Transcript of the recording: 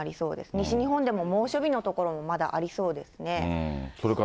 西日本でも猛暑日の所もまだありそうですね。